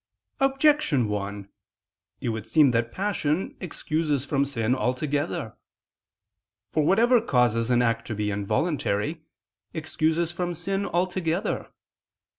Objection 1: It would seem that passion excuses from sin altogether. For whatever causes an act to be involuntary, excuses from sin altogether.